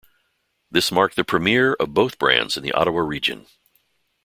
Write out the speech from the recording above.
This marked the premiere of both brands in the Ottawa region.